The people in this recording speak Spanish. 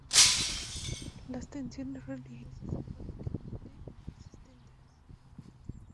Las tensiones religiosas son prácticamente inexistentes.